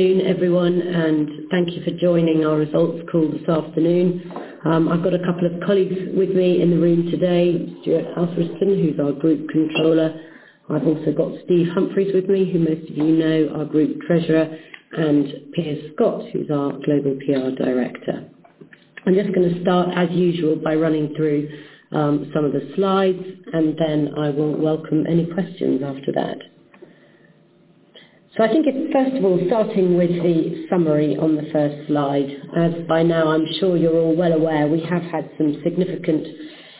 Good afternoon, everyone. Thank you for joining our results call this afternoon. I've got a couple of colleagues with me in the room today, Stuart Holeton, who's our Group Controller. I've also got Steve Humphries with me, who most of you know, our Group Treasurer, and Piers Scott, who's our Global PR Director. I'm just gonna start as usual by running through some of the slides, and then I will welcome any questions after that. I think it's, first of all, starting with the summary on the first slide. As by now I'm sure you're all well aware, we have had some significant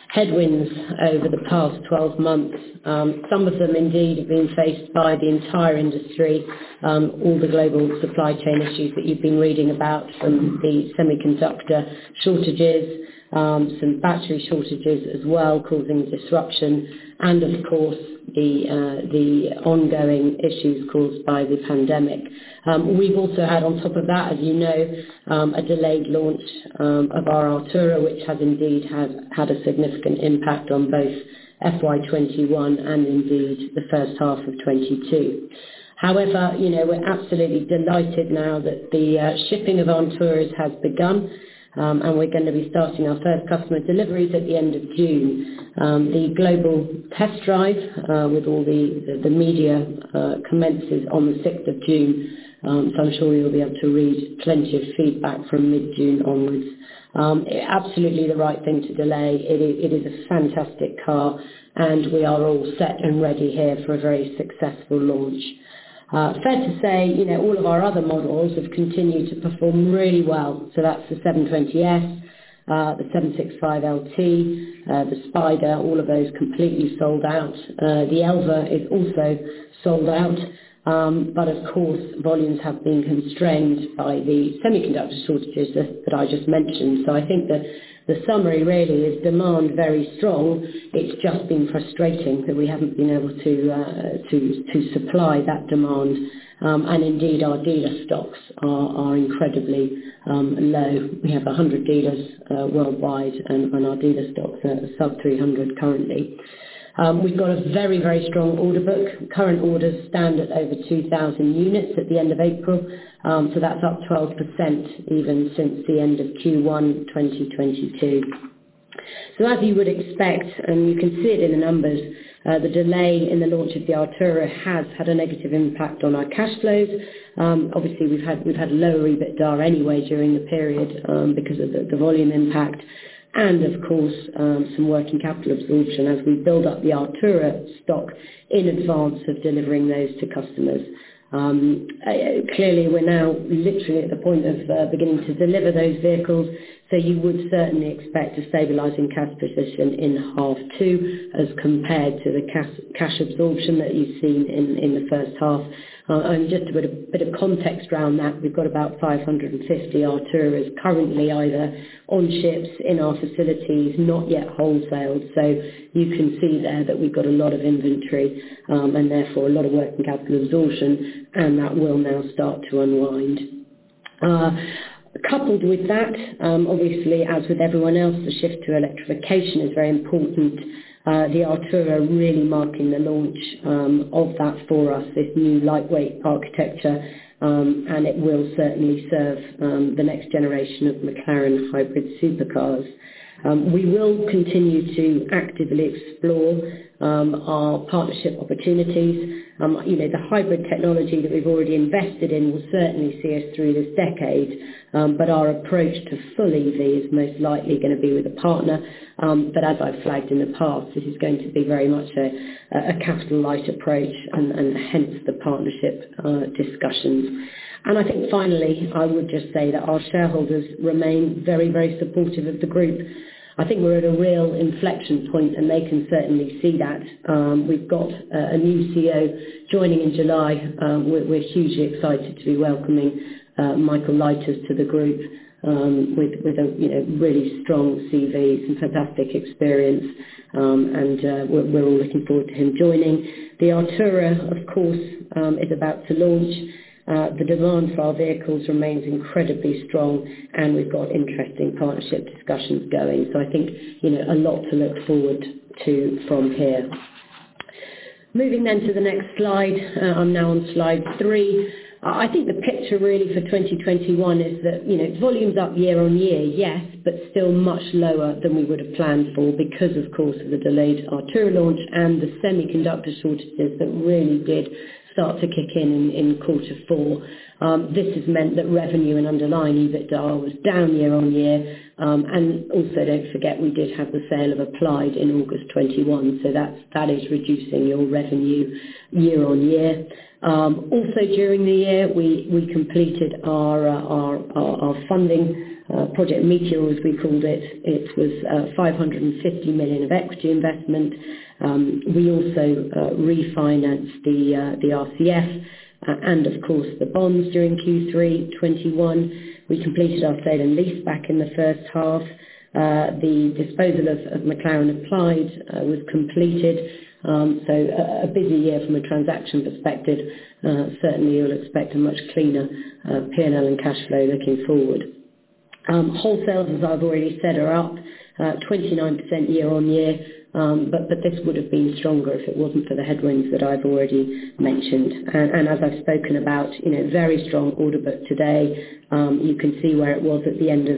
headwinds over the past 12 months. Some of them indeed have been faced by the entire industry, all the global supply chain issues that you've been reading about from the semiconductor shortages, some battery shortages as well, causing disruption and of course, the ongoing issues caused by the pandemic. We've also had on top of that, as you know, a delayed launch of our Artura, which has indeed had a significant impact on both FY 2021 and indeed the first half of 2022. However, you know, we're absolutely delighted now that the shipping of Arturas has begun, and we're gonna be starting our first customer deliveries at the end of June. The global test drive with all the media commences on the sixth of June, so I'm sure you'll be able to read plenty of feedback from mid-June onwards. Absolutely the right thing to delay. It is a fantastic car, and we are all set and ready here for a very successful launch. Fair to say, you know, all of our other models have continued to perform really well. That's the 720S, the 765LT, the Spider, all of those completely sold out. The Elva is also sold out, but of course, volumes have been constrained by the semiconductor shortages that I just mentioned. I think the summary really is demand very strong. It's just been frustrating that we haven't been able to supply that demand. Indeed, our dealer stocks are incredibly low. We have 100 dealers worldwide and our dealer stocks are sub 300 currently. We've got a very strong order book. Current orders stand at over 2,000 units at the end of April. That's up 12% even since the end of Q1 2022. As you would expect, and you can see it in the numbers, the delay in the launch of the Artura has had a negative impact on our cash flows. Obviously we've had lower EBITDA anyway during the period, because of the volume impact and of course, some working capital absorption as we build up the Artura stock in advance of delivering those to customers. Clearly we're now literally at the point of beginning to deliver those vehicles. You would certainly expect a stabilizing cash position in half two as compared to the cash absorption that you've seen in the first half. Just a bit of context around that, we've got about 550 Arturas currently either on ships, in our facilities, not yet wholesaled. You can see there that we've got a lot of inventory, and therefore a lot of working capital absorption, and that will now start to unwind. Coupled with that, obviously as with everyone else, the shift to electrification is very important. The Artura really marking the launch of that for us, this new lightweight architecture, and it will certainly serve the next generation of McLaren hybrid supercars. We will continue to actively explore our partnership opportunities. You know, the hybrid technology that we've already invested in will certainly see us through this decade, but our approach to full EV is most likely gonna be with a partner. As I've flagged in the past, this is going to be very much a capital light approach and hence the partnership discussions. I think finally, I would just say that our shareholders remain very, very supportive of the group. I think we're at a real inflection point, and they can certainly see that. We've got a new CEO joining in July. We're hugely excited to be welcoming Michael Leiters to the group, with a you know really strong CV, some fantastic experience, and we're all looking forward to him joining. The Artura, of course, is about to launch. The demand for our vehicles remains incredibly strong, and we've got interesting partnership discussions going. I think you know, a lot to look forward to from here. Moving then to the next slide. I'm now on slide three. I think the picture really for 2021 is that, you know, volume's up year-on-year, yes, but still much lower than we would've planned for because of course the delayed Artura launch and the semiconductor shortages that really did start to kick in quarter four. This has meant that revenue and underlying EBITDA was down year-on-year. Also don't forget, we did have the sale of McLaren Applied in August 2021, so that is reducing your revenue year-on-year. Also during the year, we completed our funding Project Meteor, as we called it. It was 550 million of equity investment. We also refinanced the RCF and of course the bonds during Q3 2021. We completed our sale and leaseback in the first half. The disposal of McLaren Applied was completed. A busy year from a transaction perspective. Certainly you'll expect a much cleaner P&L and cash flow looking forward. Wholesales, as I've already said, are up 29% year-on-year. But this would have been stronger if it wasn't for the headwinds that I've already mentioned. As I've spoken about, in a very strong order book today, you can see where it was at the end of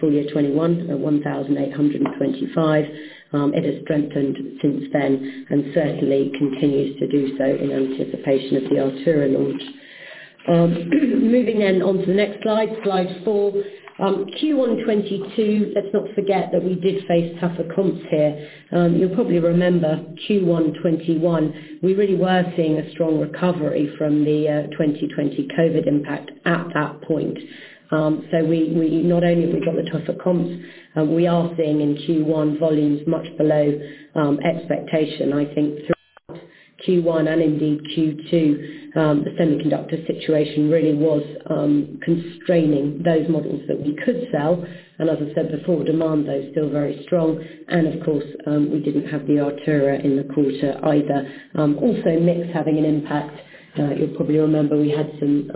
full year 2021 at 1,825. It has strengthened since then, and certainly continues to do so in anticipation of the Artura launch. Moving then on to the next slide. Slide four. Q1 2022, let's not forget that we did face tougher comps here. You'll probably remember Q1 2021, we really were seeing a strong recovery from the 2020 COVID impact at that point. We not only have got the tougher comps, we are seeing in Q1 volumes much below expectation. I think throughout Q1 and indeed Q2, the semiconductor situation really was constraining those models that we could sell. As I said before, demand though, still very strong. Of course, we didn't have the Artura in the quarter either. Also, mix having an impact. You'll probably remember we had some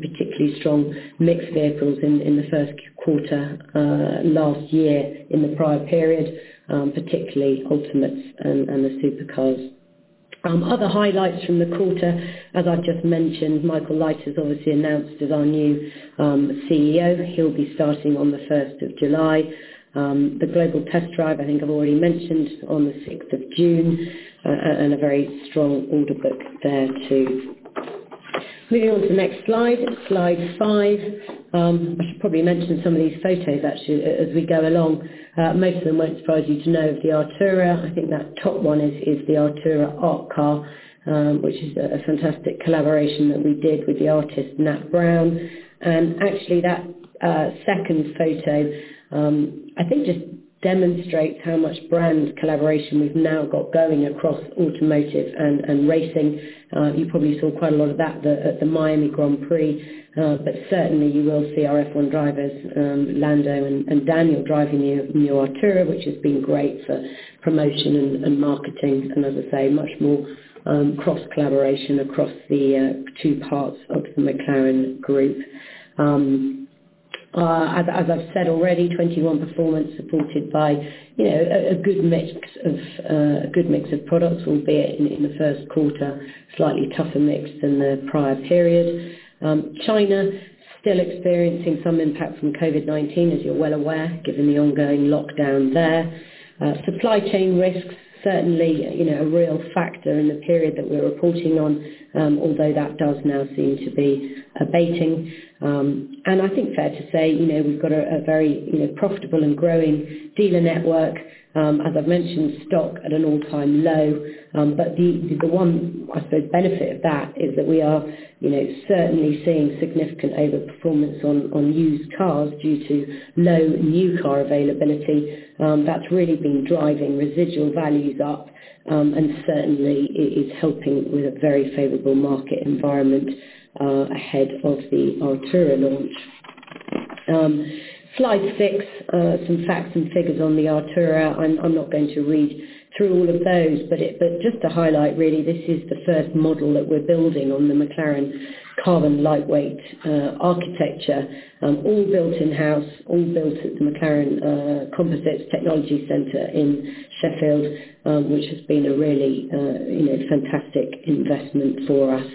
particularly strong mix vehicles in the first quarter last year in the prior period, particularly ultimates and the supercars. Other highlights from the quarter, as I've just mentioned, Michael Leiters has obviously announced as our new CEO. He'll be starting on the first of July. The global test drive, I think I've already mentioned on the sixth of June, and a very strong order book there too. Moving on to the next slide. Slide 5. I should probably mention some of these photos actually as we go along. Most of them won't surprise you to know of the Artura. I think that top one is the Artura Art Car, which is a fantastic collaboration that we did with the artist Nat Bowen. Actually that second photo, I think just demonstrates how much brand collaboration we've now got going across automotive and racing. You probably saw quite a lot of that at the Miami Grand Prix. Certainly you will see our F1 drivers, Lando and Daniel driving the new Artura, which has been great for promotion and marketing. As I say, much more cross collaboration across the two parts of the McLaren Group. As I've said already, 2021 performance supported by, you know, a good mix of products, albeit in the first quarter, slightly tougher mix than the prior period. China still experiencing some impact from COVID-19 as you're well aware, given the ongoing lockdown there. Supply chain risks certainly, you know, a real factor in the period that we're reporting on. Although that does now seem to be abating. I think it's fair to say, you know, we've got a very, you know, profitable and growing dealer network. As I've mentioned, stock at an all-time low. The one, I suppose, benefit of that is that we are, you know, certainly seeing significant overperformance on used cars due to low new car availability. That's really been driving residual values up, and certainly is helping with a very favorable market environment ahead of the Artura launch. Slide six. Some facts and figures on the Artura. I'm not going to read through all of those, but just to highlight really, this is the first model that we're building on the McLaren Carbon Lightweight Architecture. All built in-house, all built at the McLaren Composite Technology Center in Sheffield, which has been a really, you know, fantastic investment for us.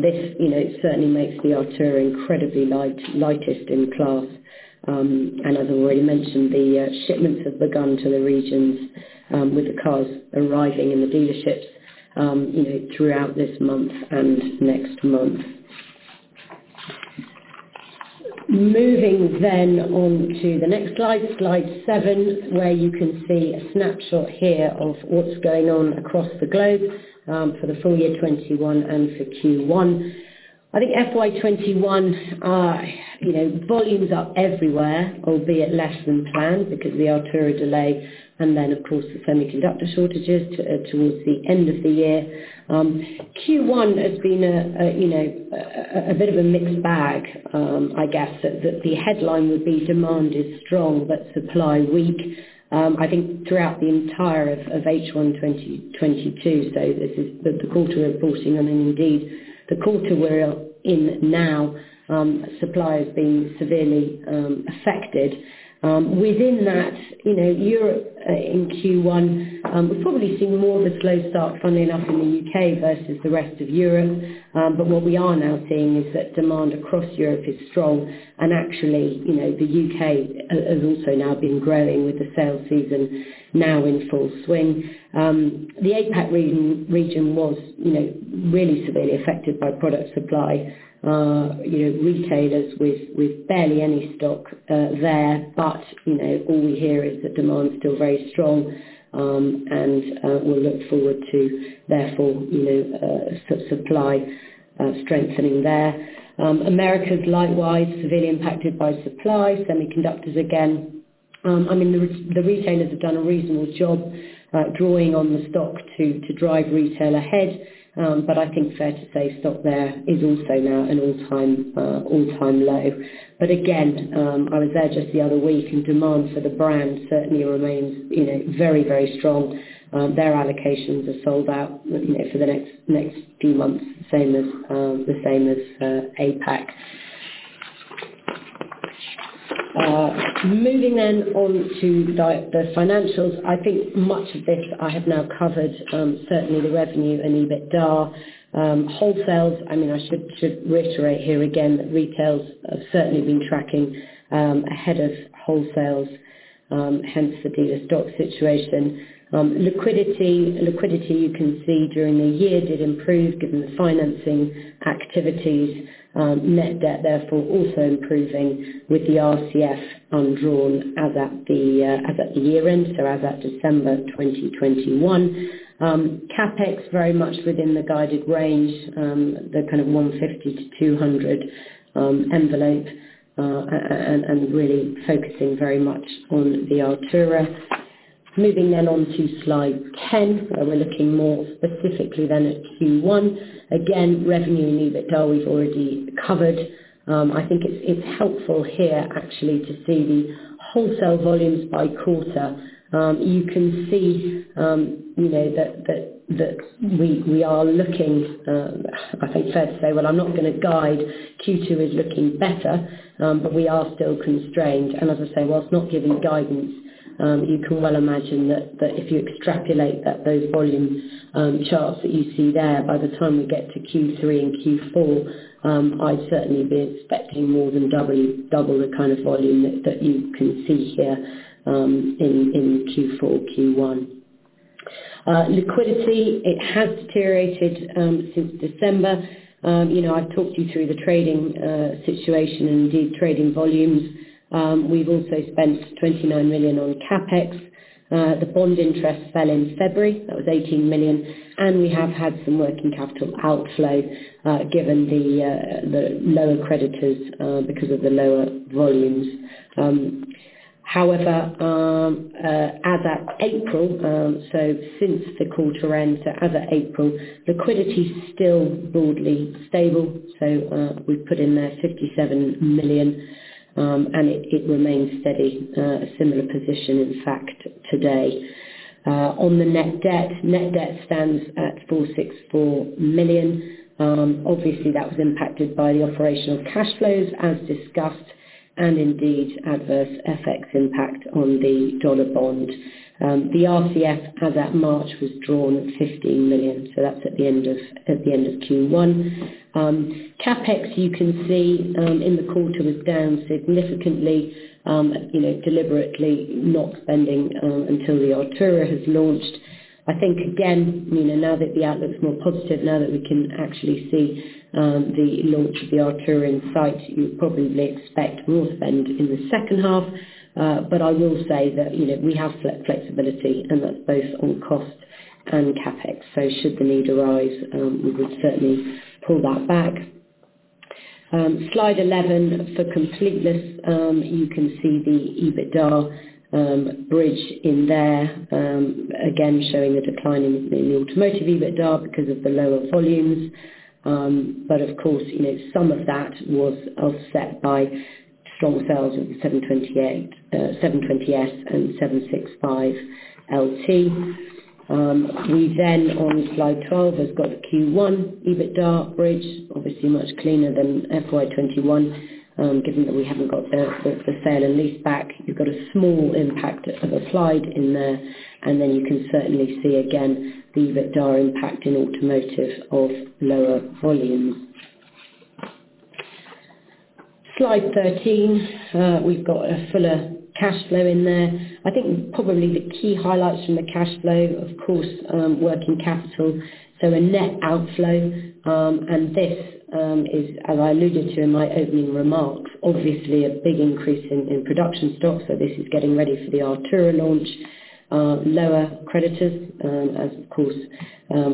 This certainly makes the Artura incredibly light, lightest in class. As I've already mentioned, the shipments have begun to the regions, with the cars arriving in the dealerships, you know, throughout this month and next month. Moving on to the next slide seven, where you can see a snapshot here of what's going on across the globe, for the full year 2021 and for Q1. I think FY 2021, you know, volumes are up everywhere, albeit less than planned because the Artura delay and then of course the semiconductor shortages towards the end of the year. Q1 has been a bit of a mixed bag. I guess the headline would be demand is strong, but supply weak. I think throughout the entirety of H1 2022. This is the quarter we're reporting and then indeed the quarter we're in now. Supply has been severely affected. Within that, you know, Europe, in Q1, we've probably seen more of a slow start funnily enough in the U.K. versus the rest of Europe. What we are now seeing is that demand across Europe is strong and actually, you know, the U.K. has also now been growing with the sales season now in full swing. The APAC region was, you know, really severely affected by product supply. You know, retailers with barely any stock there. You know, all we hear is that demand's still very strong, and we look forward to therefore, you know, supply strengthening there. Americas likewise, severely impacted by supply, semiconductors again. I mean, the retailers have done a reasonable job, drawing on the stock to drive retail ahead. I think fair to say stock there is also now an all-time low. Again, I was there just the other week and demand for the brand certainly remains, you know, very, very strong. Their allocations are sold out, you know, for the next few months, same as APAC. Moving on to the financials. I think much of this I have now covered, certainly the revenue and EBITDA. Wholesales, I mean, I should reiterate here again that retails have certainly been tracking ahead of wholesales, hence the stock situation. Liquidity you can see during the year did improve given the financing activities. Net debt therefore also improving with the RCF undrawn as at the year-end, so as at December 2021. CapEx very much within the guided range, the kind of 150-200 envelope, and really focusing very much on the Artura. Moving then on to slide 10, where we're looking more specifically then at Q1. Again, revenue and EBITDA we've already covered. I think it's helpful here actually to see the wholesale volumes by quarter. You can see, you know, that we are looking, I think fair to say, well, I'm not gonna guide Q2 is looking better, but we are still constrained. As I say, whilst not giving guidance, you can well imagine that if you extrapolate that those volume charts that you see there, by the time we get to Q3 and Q4, I'd certainly be expecting more than double the kind of volume that you can see here, in Q1. Liquidity, it has deteriorated since December. You know, I've talked you through the trading situation and indeed trading volumes. We've also spent 29 million on CapEx. The bond interest fell in February, that was 18 million, and we have had some working capital outflow, given the lower creditors, because of the lower volumes. However, as at April, since the quarter end, liquidity is still broadly stable. We put in there 57 million, and it remains steady. A similar position, in fact, today. On the net debt, net debt stands at 464 million. Obviously, that was impacted by the operational cash flows as discussed and indeed adverse FX impact on the dollar bond. The RCF as at March was drawn at 15 million, so that's at the end of Q1. CapEx, you can see, in the quarter was down significantly, you know, deliberately not spending until the Artura has launched. I think again, you know, now that the outlook is more positive, now that we can actually see the launch of the Artura in sight, you would probably expect more spend in the second half. I will say that, you know, we have flexibility, and that's both on cost and CapEx. Should the need arise, we would certainly pull that back. Slide 11, for completeness, you can see the EBITDA bridge in there, again, showing a decline in the automotive EBITDA because of the lower volumes. Of course, you know, some of that was offset by strong sales of the 720S and 765LT. We on slide 12 has got Q1 EBITDA bridge, obviously much cleaner than FY 2021. Given that we haven't got the sale and leaseback, you've got a small impact of a slide in there, and then you can certainly see again the EBITDA impact in automotive of lower volumes. Slide 13, we've got a fuller cash flow in there. I think probably the key highlights from the cash flow, of course, working capital, a net outflow. This is, as I alluded to in my opening remarks, obviously a big increase in production stock. This is getting ready for the Artura launch. Lower creditors, as of course,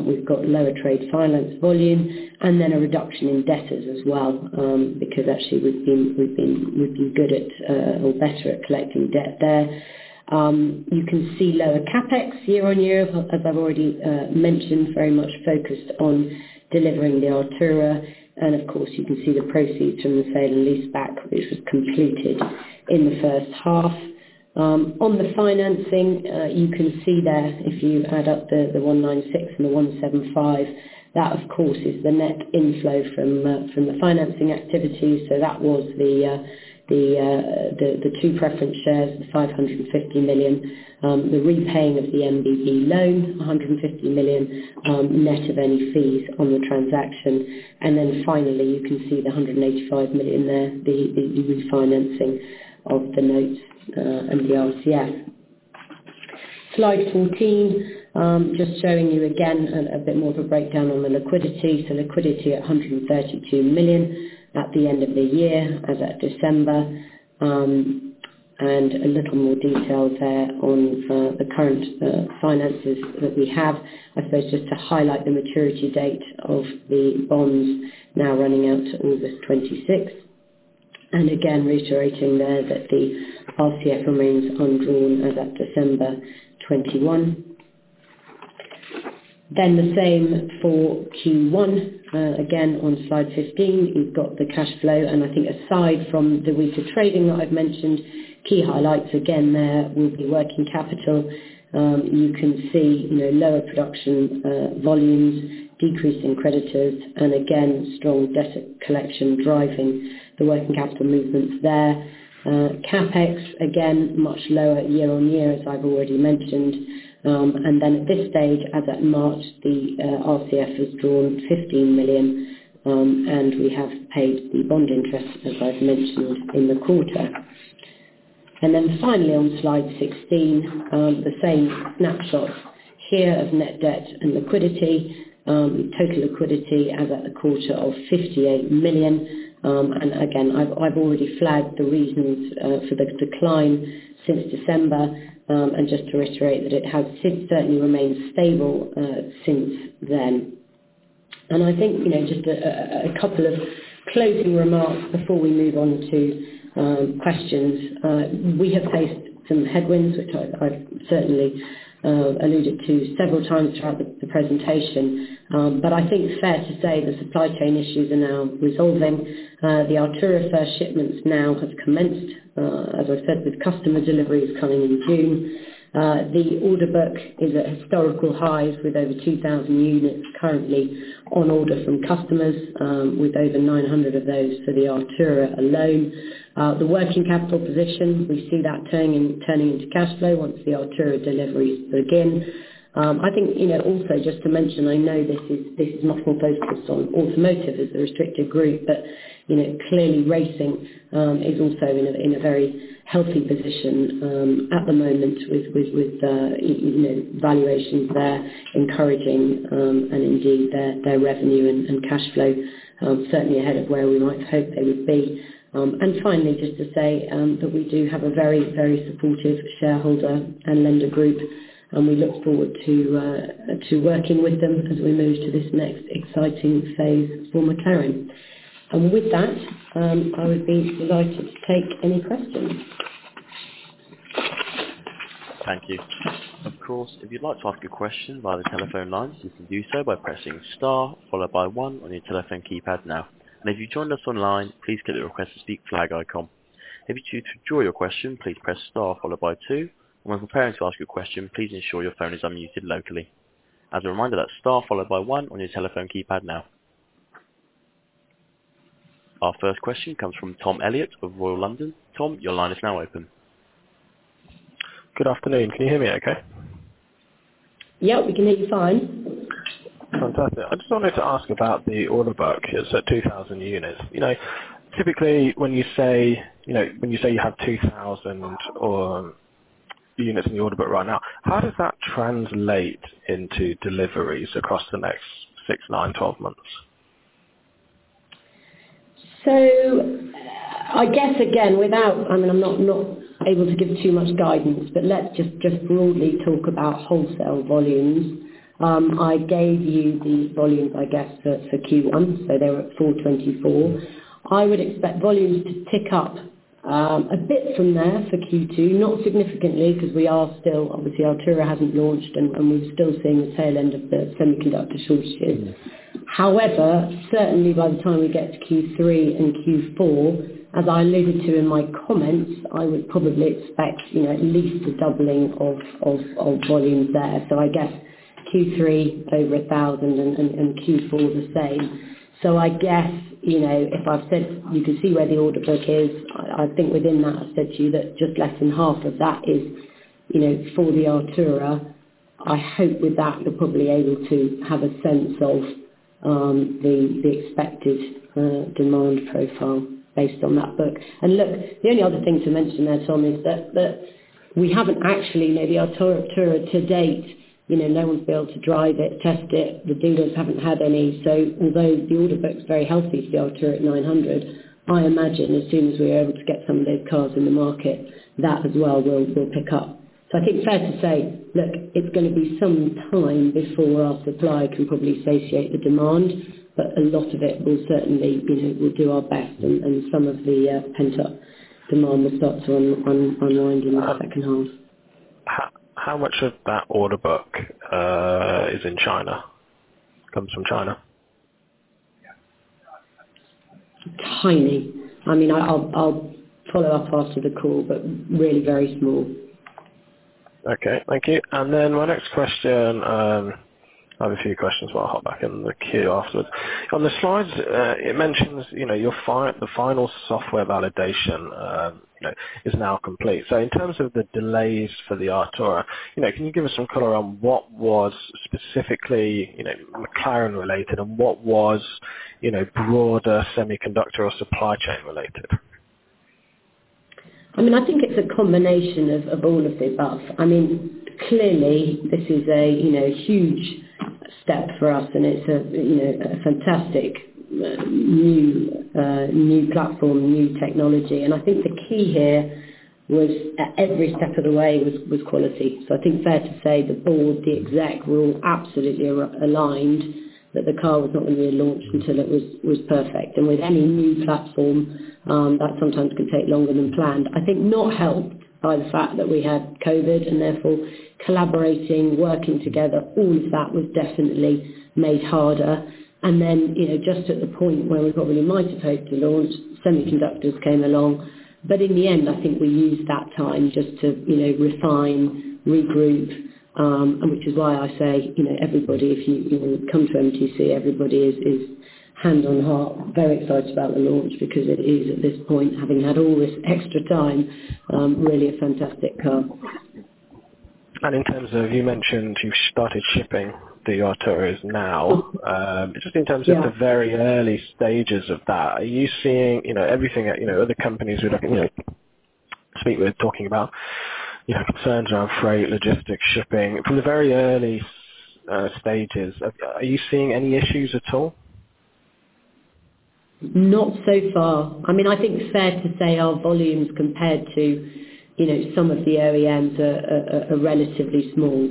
we've got lower trade finance volume. A reduction in debtors as well, because actually we've been good at, or better at collecting debt there. You can see lower CapEx year-on-year, as I've already mentioned, very much focused on delivering the Artura. Of course, you can see the proceeds from the sale and leaseback, which was completed in the first half. On the financing, you can see there if you add up the 196 and the 175, that of course is the net inflow from the financing activities. That was the two preference shares, the 550 million. The repaying of the NBB loan, 150 million, net of any fees on the transaction. Then finally, you can see the 185 million there, the refinancing of the notes, and the RCF. Slide 14, just showing you again a bit more of a breakdown on the liquidity. Liquidity at 132 million at the end of the year as at December. And a little more detail there on the current finances that we have. I suppose just to highlight the maturity date of the bonds now running out to August 26th. Again, reiterating there that the RCF remains undrawn as at December 2021. Then the same for Q1. Again, on Slide 15, you've got the cash flow. I think aside from the weaker trading that I've mentioned, key highlights again there will be working capital. You can see, you know, lower production volumes, decrease in creditors, and again, strong debt collection driving the working capital movements there. CapEx, again, much lower year-on-year, as I've already mentioned. At this stage, as at March, the RCF has drawn 15 million, and we have paid the bond interest, as I've mentioned in the quarter. Finally on slide 16, the same snapshot here of net debt and liquidity. Total liquidity as at quarter end 58 million. Again, I've already flagged the reasons for the decline since December. Just to reiterate that it has since certainly remained stable since then. I think, you know, just a couple of closing remarks before we move on to questions. We have faced some headwinds, which I certainly alluded to several times throughout the presentation. I think it's fair to say the supply chain issues are now resolving. The Artura first shipments now have commenced, as I said, with customer deliveries coming in June. The order book is at historical highs with over 2,000 units currently on order from customers, with over 900 of those for the Artura alone. The working capital position, we see that turning into cash flow once the Artura deliveries begin. I think, you know, also just to mention, I know this is much more focused on automotive as the restricted group, but you know, clearly racing is also in a very healthy position at the moment with you know, valuations there encouraging, and indeed their revenue and cash flow certainly ahead of where we might have hoped they would be. Finally, just to say, that we do have a very, very supportive shareholder and lender group, and we look forward to working with them as we move to this next exciting phase for McLaren. With that, I would be delighted to take any questions. Thank you. Of course, if you'd like to ask a question via the telephone lines, you can do so by pressing star followed by one on your telephone keypad now. If you've joined us online, please click the Request to Speak flag icon. If you choose to withdraw your question, please press star followed by two. When preparing to ask your question, please ensure your phone is unmuted locally. As a reminder, that's star followed by one on your telephone keypad now. Our first question comes from Tom Elliott of Royal London. Tom, your line is now open. Good afternoon. Can you hear me okay? Yep, we can hear you fine. Fantastic. I just wanted to ask about the order book. You said 2000 units. You know, typically when you say, you know, when you say you have 2000 units in the order book right now, how does that translate into deliveries across the next six, nine, twelve months? I guess again, I mean, I'm not able to give too much guidance, but let's just broadly talk about wholesale volumes. I gave you the volumes, I guess, for Q1, so they were at 424. I would expect volumes to tick up a bit from there for Q2. Not significantly, 'cause we are still obviously Artura hasn't launched, and we're still seeing the tail end of the semiconductor shortages. However, certainly by the time we get to Q3 and Q4, as I alluded to in my comments, I would probably expect, you know, at least a doubling of volumes there. I guess Q3, over 1,000 and Q4 the same. I guess, you know, if I've said you can see where the order book is, I think within that I've said to you that just less than half of that is, you know, for the Artura. I hope with that you're probably able to have a sense of the expected demand profile based on that book. Look, the only other thing to mention there, Tom, is that we haven't actually, you know, the Artura to date, you know, no one's been able to drive it, test it, the dealers haven't had any. Although the order book's very healthy for the Artura at 900, I imagine as soon as we're able to get some of those cars in the market, that as well will pick up. I think it's fair to say, look, it's gonna be some time before our supply can probably satiate the demand, but a lot of it will certainly, you know, we'll do our best and some of the pent-up demand will start to unwind and hope that can help. How much of that order book is in China, comes from China? Tiny. I mean, I'll follow up after the call, but really very small. Okay. Thank you. My next question, I have a few questions, so I'll hop back in the queue afterwards. On the slides, it mentions, you know, the final software validation, you know, is now complete. In terms of the delays for the Artura, you know, can you give us some color on what was specifically, you know, McLaren related and what was, you know, broader semiconductor or supply chain related? I mean, I think it's a combination of all of the above. I mean, clearly this is a you know huge step for us and it's a you know a fantastic new platform new technology. I think the key here was at every step of the way was quality. I think fair to say the board the exec were all absolutely aligned that the car was not gonna be launched until it was perfect. With any new platform that sometimes can take longer than planned. I think not helped by the fact that we had COVID and therefore collaborating working together all of that was definitely made harder. Then you know just at the point where we probably might have hoped to launch semiconductors came along. In the end, I think we used that time just to, you know, refine, regroup, which is why I say, you know, everybody, if you know, come to MTC, everybody is hand on heart, very excited about the launch because it is at this point, having had all this extra time, really a fantastic car. In terms of, you mentioned you started shipping the Artura now. Just in terms of- Yeah. The very early stages of that, are you seeing, you know, everything that, you know, other companies we're looking at, you know, we're talking about, you have concerns around freight, logistics, shipping? From the very early stages, are you seeing any issues at all? Not so far. I mean, I think it's fair to say our volumes compared to, you know, some of the OEMs are relatively small.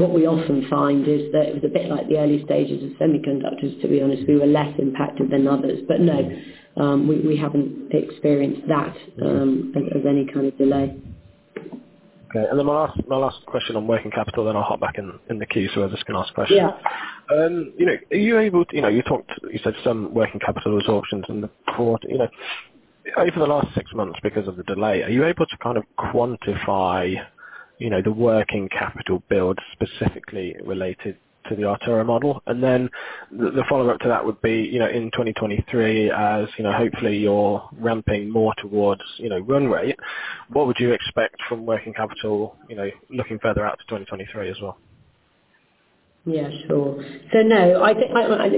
What we often find is that it was a bit like the early stages of semiconductors, to be honest. We were less impacted than others. No, we haven't experienced that as any kind of delay. Okay. My last question on working capital, then I'll hop back in the queue so others can ask questions. Yeah. You know, you said some working capital absorptions in the quarter. You know, over the last six months because of the delay, are you able to kind of quantify, you know, the working capital build specifically related to the Artura model? The follow-up to that would be, you know, in 2023, you know, hopefully you're ramping more towards, you know, run rate. What would you expect from working capital, you know, looking further out to 2023 as well? Yeah, sure. No, I think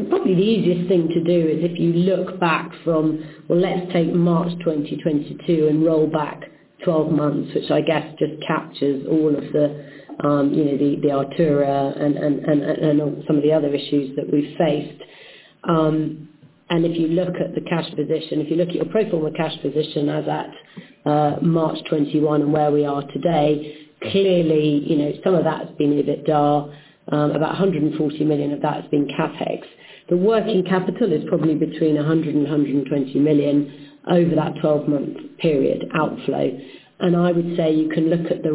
probably the easiest thing to do is if you look back from, well, let's take March 2022 and roll back 12 months, which I guess just captures all of the, you know, the Artura and some of the other issues that we've faced. If you look at the cash position, if you look at your pro forma cash position as at March 2021 and where we are today, clearly, you know, some of that has been a bit dull. About 140 million of that has been CapEx. The working capital is probably between 100 million and 120 million over that 12-month period outflow. I would say you can look at the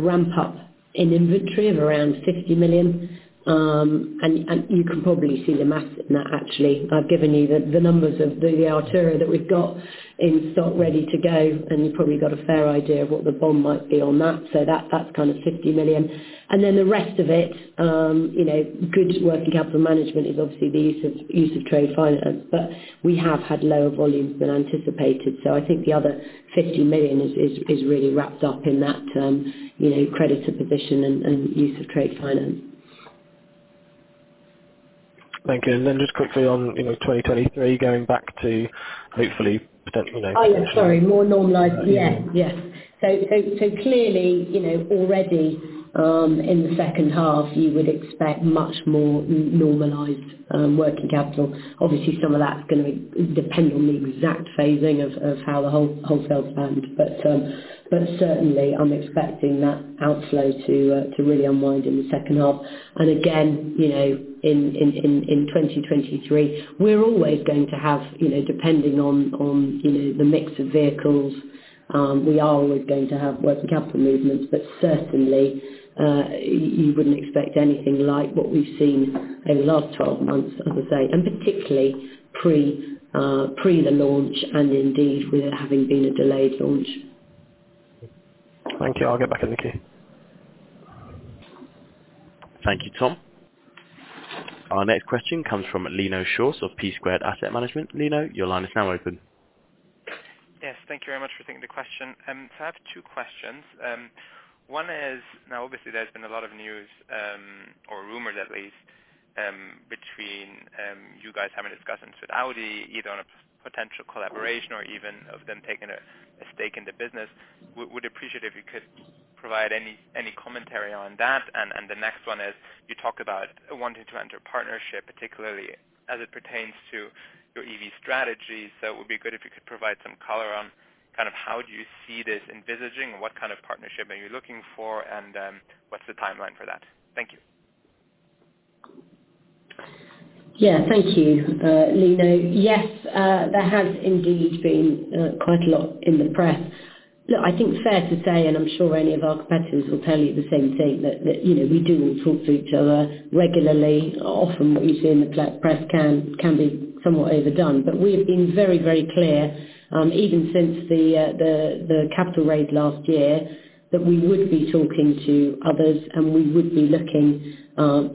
ramp-up in inventory of around 60 million, and you can probably see the math in that actually. I've given you the numbers of the Artura that we've got in stock ready to go, and you probably got a fair idea of what the build might be on that. That's kind of 60 million. Then the rest of it, you know, good working capital management is obviously the use of trade finance. We have had lower volumes than anticipated. I think the other 50 million is really wrapped up in that, you know, creditor position and use of trade finance. Thank you. Just quickly on, you know, 2023, going back to hopefully, potentially next. Oh, sorry. More normalized. Yes, yes. Clearly, you know, already, in the second half, you would expect much more normalized working capital. Obviously, some of that's gonna depend on the exact phasing of how the whole wholesale planned. Certainly, I'm expecting that outflow to really unwind in the second half. Again, you know, in 2023, we're always going to have, you know, depending on the mix of vehicles, we are always going to have working capital movements. Certainly, you wouldn't expect anything like what we've seen over the last 12 months, as I say, and particularly pre the launch and indeed with having been a delayed launch. Thank you. I'll get back in the queue. Thank you, Tom. Our next question comes from Lino Schoors of P2 Asset Management. Lino, your line is now open. Yes, thank you very much for taking the question. So I have two questions. One is, now obviously there's been a lot of news, or rumors at least, between you guys having discussions with Audi either on a potential collaboration or even of them taking a stake in the business. Would appreciate if you could provide any commentary on that. The next one is, you talk about wanting to enter a partnership, particularly as it pertains to your EV strategy. It would be good if you could provide some color on kind of how do you see this envisaging? What kind of partnership are you looking for? What's the timeline for that? Thank you. Yeah, thank you, Lino. Yes, there has indeed been quite a lot in the press. Look, it's fair to say, and I'm sure any of our competitors will tell you the same thing, that you know, we do all talk to each other regularly. Often what you see in the press can be somewhat overdone. We have been very clear, even since the capital raise last year, that we would be talking to others, and we would be looking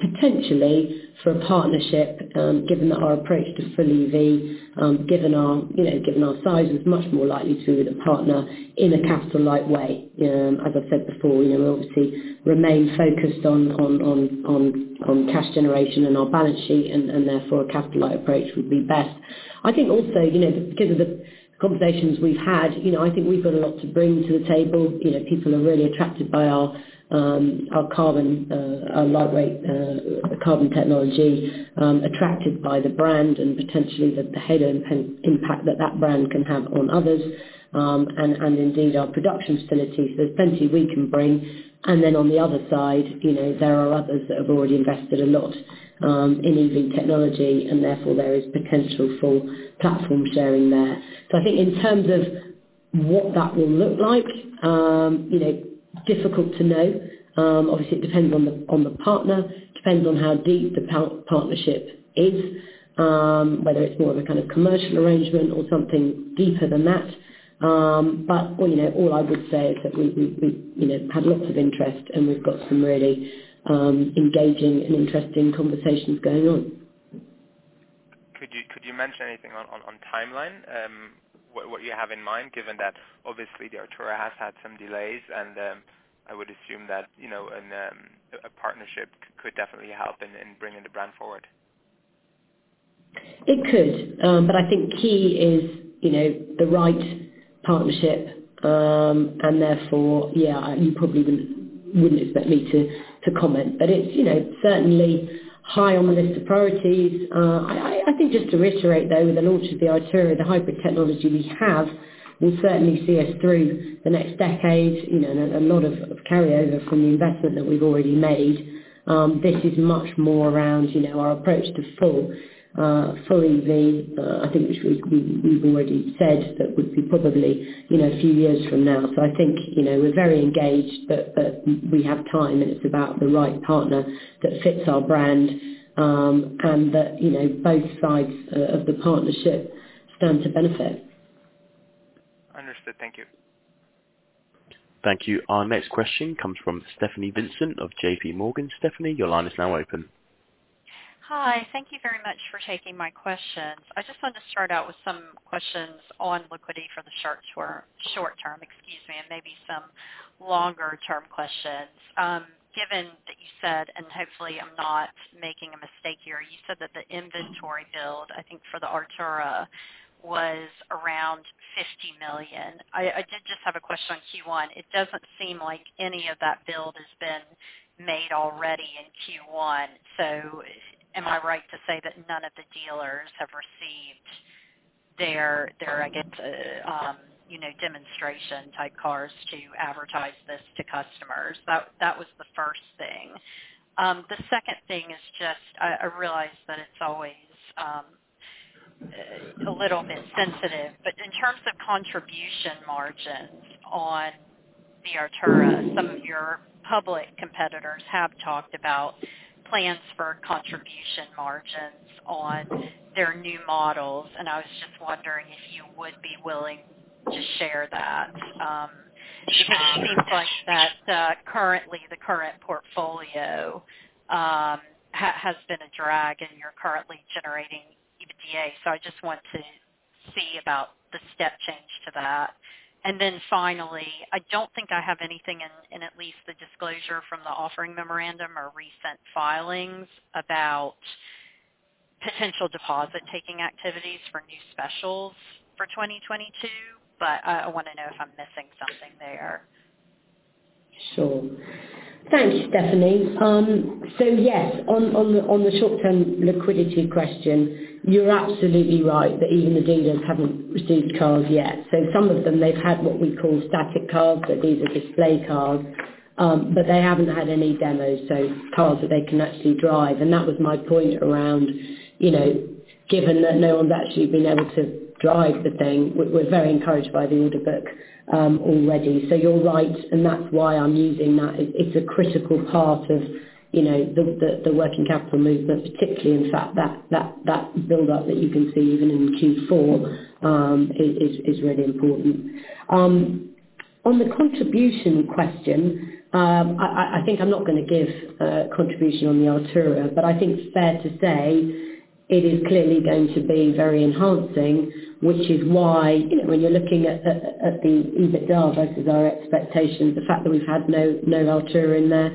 potentially for a partnership, given that our approach to full EV, given our size, is much more likely to with a partner in a capital-light way. As I said before, you know, we obviously remain focused on cash generation and our balance sheet, and therefore a capital-light approach would be best. I think also, you know, given the conversations we've had, you know, I think we've got a lot to bring to the table. You know, people are really attracted by our carbon, our lightweight carbon technology, attracted by the brand and potentially the halo impact that that brand can have on others, and indeed our production facility. There's plenty we can bring. On the other side, you know, there are others that have already invested a lot in EV technology, and therefore there is potential for platform sharing there. I think in terms of what that will look like, you know, difficult to know. Obviously, it depends on the partner. It depends on how deep the partnership is, whether it's more of a kind of commercial arrangement or something deeper than that. You know, all I would say is that we, you know, had lots of interest, and we've got some really engaging and interesting conversations going on. Could you mention anything on timeline, what you have in mind, given that obviously the Artura has had some delays, and I would assume that, you know, a partnership could definitely help in bringing the brand forward. It could, but I think key is, you know, the right partnership, and therefore, yeah, you probably wouldn't expect me to comment. But it's, you know, certainly high on the list of priorities. I think just to reiterate, though, with the launch of the Artura, the hybrid technology we have will certainly see us through the next decade. You know, a lot of carryover from the investment that we've already made. This is much more around, you know, our approach to full EV. I think we've already said that would be probably, you know, a few years from now. I think, you know, we're very engaged, but we have time, and it's about the right partner that fits our brand, and that, you know, both sides of the partnership stand to benefit. Understood. Thank you. Thank you. Our next question comes from Stephanie Vincent of J.P. Morgan. Stephanie, your line is now open. Hi. Thank you very much for taking my questions. I just want to start out with some questions on liquidity for the short-term, excuse me, and maybe some longer-term questions. Given that you said, and hopefully I'm not making a mistake here, you said that the inventory build, I think, for the Artura was around 50 million. I did just have a question on Q1. It doesn't seem like any of that build has been made already in Q1. Am I right to say that none of the dealers have received their, I guess, you know, demonstration-type cars to advertise this to customers? That was the first thing. The second thing is just I realize that it's always a little bit sensitive, but in terms of contribution margins on the Artura, some of your public competitors have talked about plans for contribution margins on their new models, and I was just wondering if you would be willing to share that. It seems like that currently the current portfolio has been a drag, and you're currently generating EBITDA. So I just want to see about the step change to that. Then finally, I don't think I have anything in at least the disclosure from the offering memorandum or recent filings about potential deposit-taking activities for new specials for 2022, but I wanna know if I'm missing something there. Sure. Thanks, Stephanie. Yes, on the short-term liquidity question, you're absolutely right that even the dealers haven't received cars yet. Some of them, they've had what we call static cars, so these are display cars, but they haven't had any demos, so cars that they can actually drive. That was my point around, you know, given that no one's actually been able to drive the thing, we're very encouraged by the order book already. You're right, and that's why I'm using that. It's a critical part of, you know, the working capital movement, particularly, in fact, that build-up that you can see even in Q4 is really important. On the contribution question, I think I'm not gonna give contribution on the Artura, but I think it's fair to say it is clearly going to be very enhancing, which is why, you know, when you're looking at the EBITDA versus our expectations, the fact that we've had no Artura in there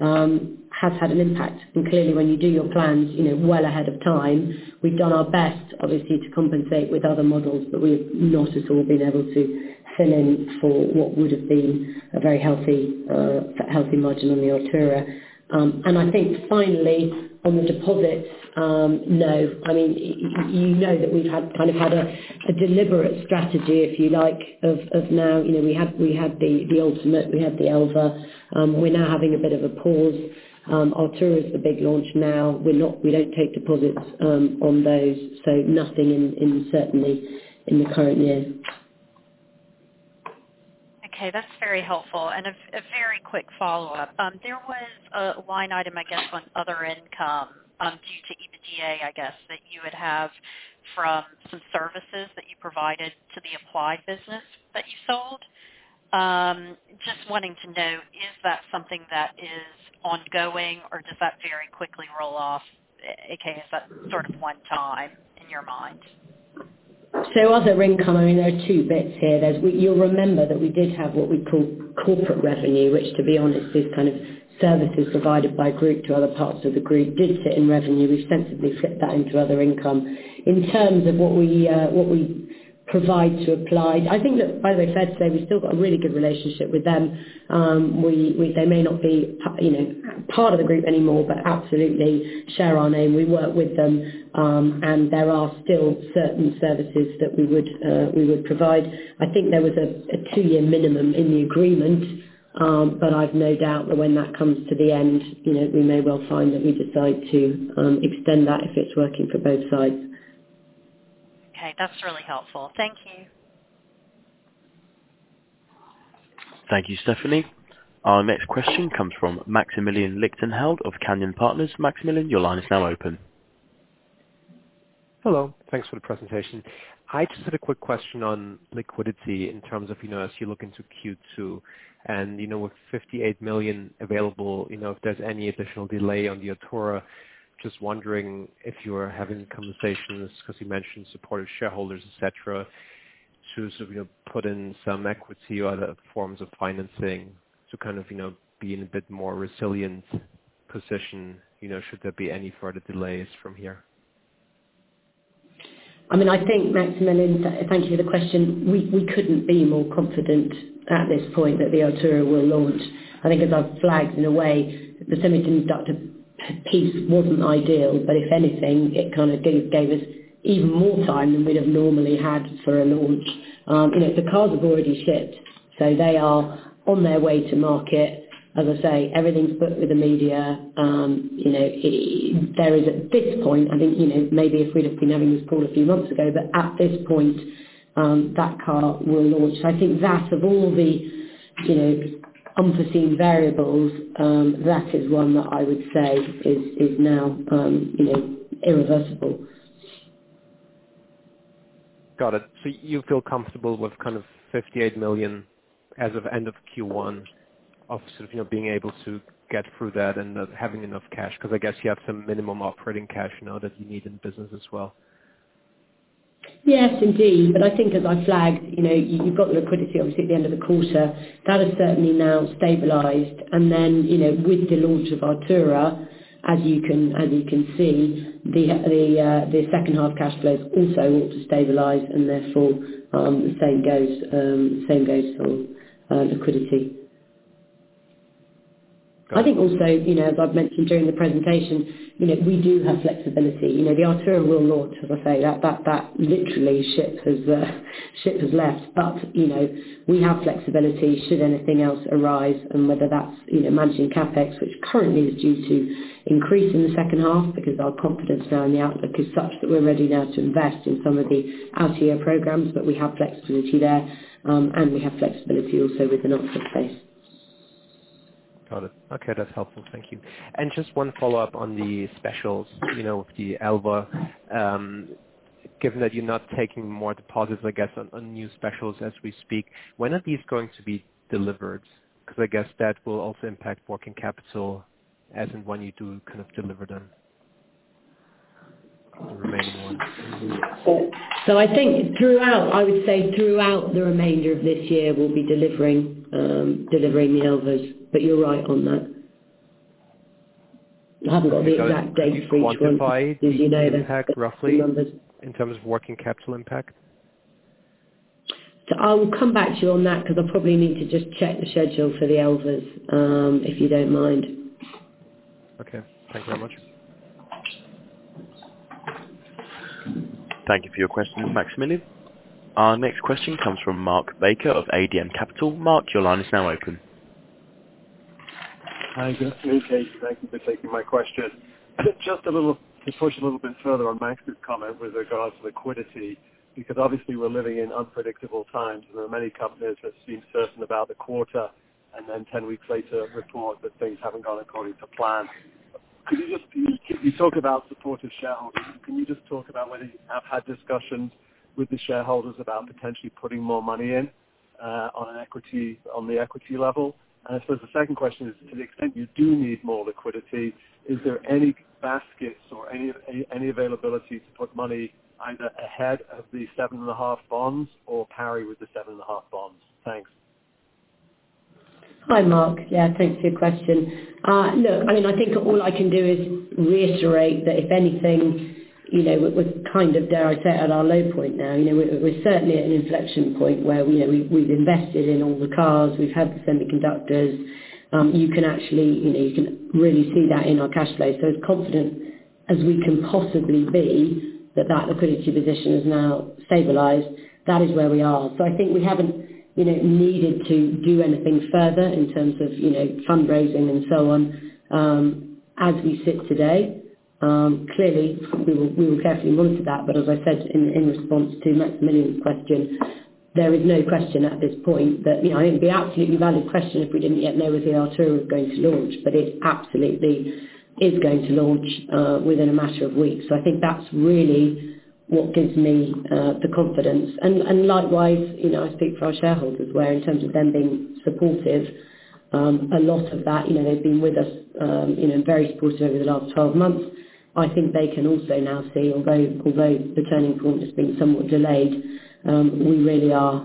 has had an impact. Clearly, when you do your plans, you know, well ahead of time, we've done our best obviously to compensate with other models, but we've not at all been able to fill in for what would have been a very healthy margin on the Artura. I think finally, on the deposits, no. I mean, you know that we've kind of had a deliberate strategy, if you like, of now, you know, we had the Ultimate, we had the Elva, we're now having a bit of a pause. Artura is the big launch now. We don't take deposits on those, so nothing in, certainly, in the current year. Okay, that's very helpful. A very quick follow-up. There was a line item, I guess, on other income due to EBITDA, I guess, that you would have from some services that you provided to the Applied business that you sold. Just wanting to know, is that something that is ongoing, or does that very quickly roll off? AKA, is that sort of one time in your mind? Other income, I mean, there are two bits here. You'll remember that we did have what we call corporate revenue, which to be honest, is kind of services provided by group to other parts of the group, did sit in revenue. We sensibly flipped that into other income. In terms of what we provide to Applied, I think that, as I said today, we've still got a really good relationship with them. They may not be, you know, part of the group anymore, but absolutely share our name. We work with them, and there are still certain services that we would provide. I think there was a 2-year minimum in the agreement, but I've no doubt that when that comes to the end, you know, we may well find that we decide to extend that if it's working for both sides. Okay, that's really helpful. Thank you. Thank you, Stephanie. Our next question comes from Maximilian Lichtenheld of Canyon Partners. Maximilian, your line is now open. Hello. Thanks for the presentation. I just had a quick question on liquidity in terms of, you know, as you look into Q2 and, you know, with 58 million available, you know, if there's any additional delay on the Artura, just wondering if you are having conversations because you mentioned supportive shareholders, etc., to sort of put in some equity or other forms of financing to kind of, you know, be in a bit more resilient position, you know, should there be any further delays from here. I mean, I think Maximilian, thank you for the question. We couldn't be more confident at this point that the Artura will launch. I think as I've flagged in a way, the semiconductor piece wasn't ideal, but if anything, it kind of gave us even more time than we'd have normally had for a launch. You know, the cars have already shipped, so they are on their way to market. As I say, everything's booked with the media. You know, there is at this point, I think, you know, maybe if we'd have been having this call a few months ago, but at this point, that car will launch. I think that of all the, you know, unforeseen variables, that is one that I would say is now, you know, irreversible. Got it. You feel comfortable with kind of 58 million as of end of Q1 of sort of, you know, being able to get through that and not having enough cash because I guess you have some minimum operating cash now that you need in business as well. Yes, indeed. I think as I flagged, you know, you've got liquidity obviously at the end of the quarter. That has certainly now stabilized. Then, you know, with the launch of Artura, as you can see, the second half cash flows also ought to stabilize, and therefore, the same goes for liquidity. I think also, you know, as I've mentioned during the presentation, you know, we do have flexibility. You know, the Artura will launch, as I say, that literally the ship has left. You know, we have flexibility should anything else arise and whether that's, you know, managing CapEx, which currently is due to increase in the second half because our confidence now in the outlook is such that we're ready now to invest in some of the out-year programs. We have flexibility there, and we have flexibility also with an offset base. Got it. Okay, that's helpful. Thank you. Just one follow-up on the specials, you know, the Elva, given that you're not taking more deposits, I guess, on new specials as we speak, when are these going to be delivered? Because I guess that will also impact working capital as in when you do kind of deliver them, the remaining ones. I think throughout, I would say throughout the remainder of this year we'll be delivering the Elvas. You're right on that. I haven't got the exact dates for each one. As you know. Could you quantify the impact roughly in terms of working capital impact? I will come back to you on that because I probably need to just check the schedule for the Elva, if you don't mind. Okay. Thank you very much. Thank you for your question, Maximilian. Our next question comes from Mark Baker of ADM Capital. Mark, your line is now open. Hi, good afternoon. Thank you for taking my question. Just a little to push a little bit further on Max's comment with regards to liquidity, because obviously we're living in unpredictable times. There are many companies that seem certain about the quarter and then 10 weeks later report that things haven't gone according to plan. Could you just, you talk about supportive shareholders. Can you just talk about whether you have had discussions with the shareholders about potentially putting more money in on the equity level? I suppose the second question is, to the extent you do need more liquidity, is there any baskets or any availability to put money either ahead of the 7.5 bonds or parity with the 7.5 bonds? Thanks. Hi, Mark. Yeah, thanks for your question. Look, I mean, I think all I can do is reiterate that if anything, you know, we're kind of, dare I say, at our low point now. You know, we're certainly at an inflection point where, you know, we've invested in all the cars, we've had the semiconductors. You can actually, you know, you can really see that in our cash flow. So as confident as we can possibly be that that liquidity position is now stabilized, that is where we are. So I think we haven't, you know, needed to do anything further in terms of, you know, fundraising and so on, as we sit today. Clearly, we will carefully monitor that. But as I said in response to Maximilian's question, there is no question at this point that. You know, it'd be absolutely valid question if we didn't yet know if the Artura was going to launch, but it absolutely is going to launch within a matter of weeks. I think that's really what gives me the confidence. Likewise, you know, I speak for our shareholders, where in terms of them being supportive, a lot of that, you know, they've been with us, you know, very supportive over the last 12 months. I think they can also now see although the turning point has been somewhat delayed, we really are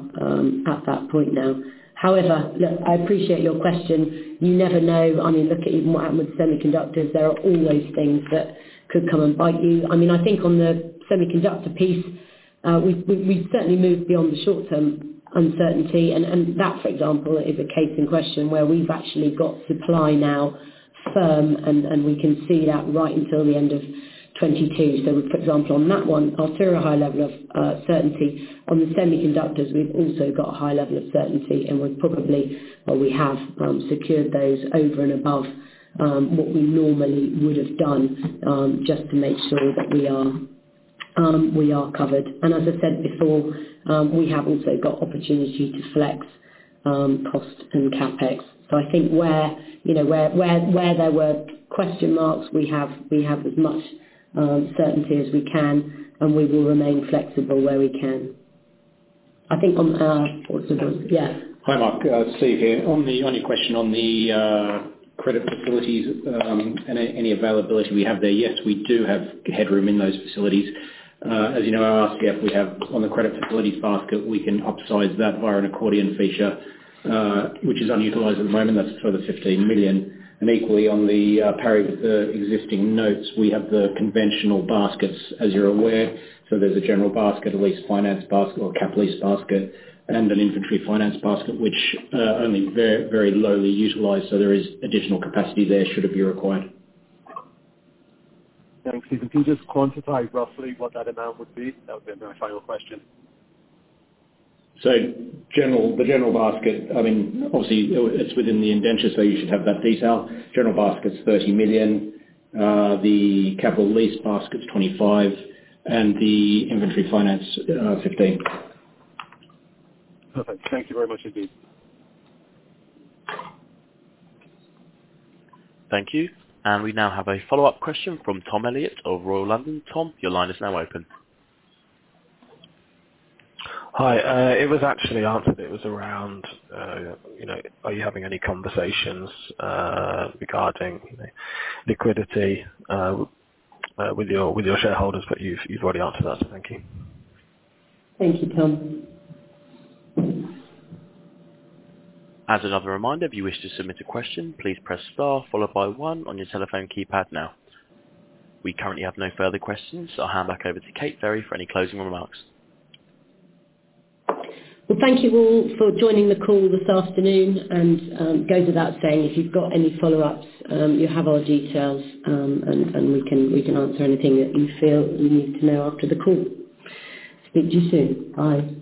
at that point now. However, look, I appreciate your question. You never know. I mean, look at even what happened with semiconductors. There are always things that could come and bite you. I mean, I think on the semiconductor piece, we've certainly moved beyond the short-term uncertainty. That, for example, is a case in question where we've actually got supply now firm and we can see that right until the end of 2022. For example, on that one, Artura high level of certainty. On the semiconductors, we've also got a high level of certainty, and we're probably, or we have, secured those over and above what we normally would've done just to make sure that we are covered. As I said before, we have also got opportunity to flex cost and CapEx. I think where, you know, where there were question marks, we have as much certainty as we can, and we will remain flexible where we can. What's important? Yeah. Hi, Mark. Steve here. On your question on the credit facilities, any availability we have there, yes, we do have headroom in those facilities. As you know, our RCF we have on the credit facilities basket, we can upsize that via an accordion feature, which is unutilized at the moment. That's for the 15 million. And equally on the pari with the existing notes, we have the conventional baskets, as you're aware. There's a general basket, a lease finance basket or a capital lease basket, and an inventory finance basket, which only very, very lightly utilized. There is additional capacity there should it be required. Thanks, Steve. Can you just quantify roughly what that amount would be? That would be my final question. The general basket, I mean, obviously it's within the indentures, so you should have that detail. General basket is 30 million. The capital lease basket is 25, and the inventory finance, 15. Perfect. Thank you very much indeed. Thank you. We now have a follow-up question from Tom Elliott of Royal London. Tom, your line is now open. Hi. It was actually answered. It was around, you know, are you having any conversations with your shareholders, but you've already answered that. Thank you. Thank you, Tom. As another reminder, if you wish to submit a question, please press star followed by one on your telephone keypad now. We currently have no further questions. I'll hand back over to Kate Ferry for any closing remarks. Well, thank you all for joining the call this afternoon. It goes without saying, if you've got any follow-ups, you have our details, and we can answer anything that you feel you need to know after the call. Speak to you soon. Bye.